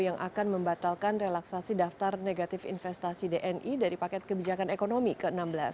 yang akan membatalkan relaksasi daftar negatif investasi dni dari paket kebijakan ekonomi ke enam belas